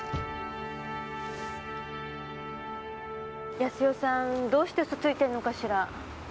康代さんどうして嘘ついてるのかしら。